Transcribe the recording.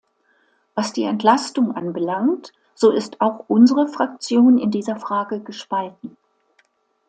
Was die Entlastung anbelangt, so ist auch unsere Fraktion in dieser Frage gespalten.